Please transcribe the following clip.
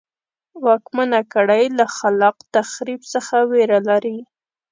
واکمنه کړۍ له خلاق تخریب څخه وېره لري.